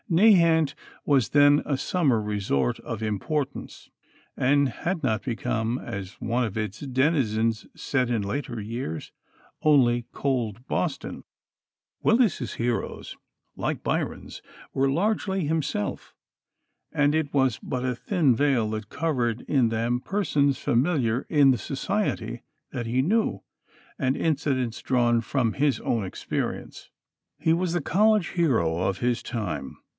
Nahant was then a summer resort of importance, and had not become, as one of its denizens said in later years, only "cold Boston." Willis's heroes, like Byron's, were largely himself, and it was but a thin veil that covered in them persons familiar in the society that he knew, and incidents drawn from his own experience. He was the college hero of his time.